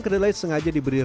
jadi pakai alat ini nih